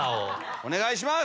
お願いします！